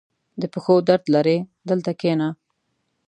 • د پښو درد لرې؟ دلته کښېنه.